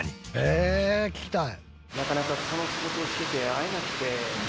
「え聞きたい」